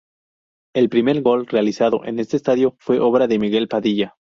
El primer gol realizado en este estadio fue obra de Miguel Padilla.